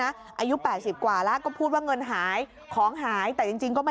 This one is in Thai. อายุ๘๐กว่าแล้วก็พูดว่าเงินหายของหายแต่จริงจริงก็ไม่